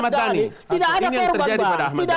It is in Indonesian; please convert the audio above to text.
untuk abu abu abu nah yang terjadi pada ahmad dhani